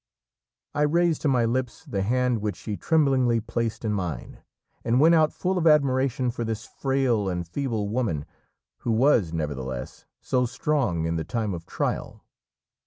I raised to my lips the hand which she tremblingly placed in mine, and went out full of admiration for this frail and feeble woman, who was, nevertheless, so strong in the time of trial.